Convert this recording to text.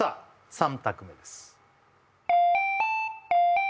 ３択目です